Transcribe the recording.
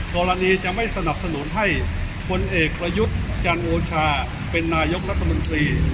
กรณีจะไม่สนับสนุนให้พลเอกประยุทธ์จันโอชาเป็นนายกรัฐมนตรี